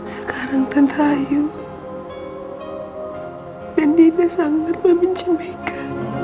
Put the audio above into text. sekarang tante ayu dan dina sangat membenci mereka